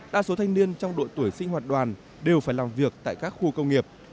đa số thanh niên trong độ tuổi sinh hoạt đoàn đều phải làm việc tại các khu công nghiệp